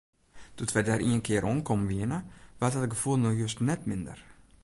Doe't wy dêr ienkear oankommen wiene, waard dat gefoel no just net minder.